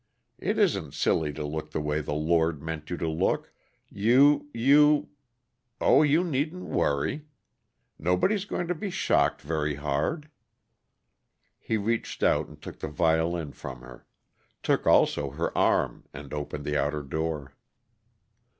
"It isn't silly to look the way the Lord meant you to look. You you oh, you needn't worry nobody's going to be shocked very hard." He reached out and took the violin from her; took also her arm and opened the outer door.